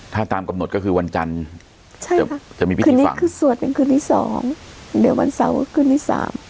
ถ้าตามกำหนดก็คือวันจันทร์จะมีพิธีคือสวดเป็นคืนที่สองเดี๋ยววันเสาร์คืนที่สาม